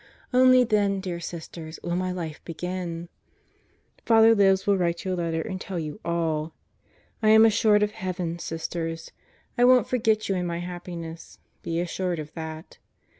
Only then, dear Sisters, will my life begin! Fr. Libs will write you later and tell you alL I am assured of heaven, Sisters. I won't forget you in my happiness, be assured of that.